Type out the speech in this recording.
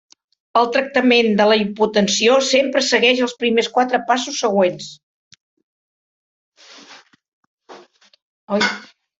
El tractament de la hipotensió sempre segueix els primers quatre passos següents.